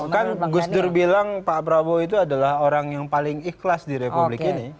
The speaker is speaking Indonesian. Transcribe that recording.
kan gus dur bilang pak prabowo itu adalah orang yang paling ikhlas di republik ini